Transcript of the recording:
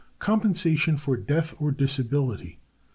_Compensation for Death or Disability.